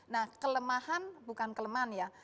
nah kelemahan bukan kelemahan ya